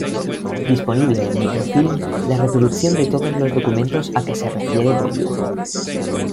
Disponible en microfilm la reproducción de todos los documentos a que se refiere Bobbio.